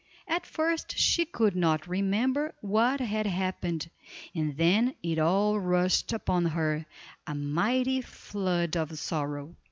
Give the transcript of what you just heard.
At first she could not remember what had happened, and then it all rushed upon her, a mighty flood of sorrow.